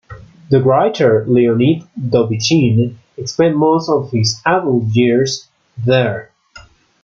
The writer Leonid Dobychin spent most of his adult years there.